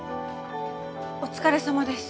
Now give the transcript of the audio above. お疲れさまです。